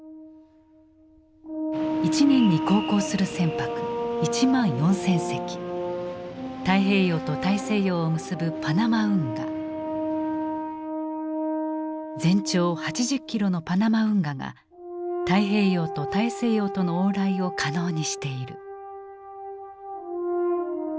１年に航行する船舶１万４，０００隻太平洋と大西洋を結ぶ全長８０キロのパナマ運河が太平洋と大西洋との往来を可能にしている。